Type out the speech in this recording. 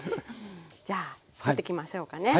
じゃあ作っていきましょうかね。